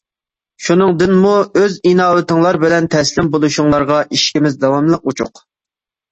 شۇنىڭدىمۇ، ئۆز ئىناۋىتىڭلار بىلەن تەسلىم بولۇشۇڭلارغا ئىشىكىمىز داۋاملىق ئوچۇق.